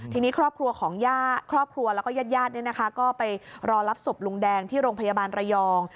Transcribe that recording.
ทีนี้ครอบครัวและญาติเนี่ยนะคะก็ไปรอรับศพลุงแดงที่โรงพยาบาลระยอง